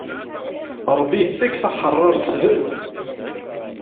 Ṛebbi ittak taḥeṛṛaṛt s berru.